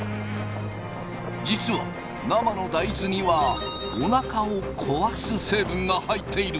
実は生の大豆にはおなかを壊す成分が入っている。